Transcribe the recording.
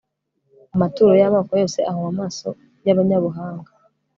amaturo y'amoko yose ahuma amaso y'abanyabuhanga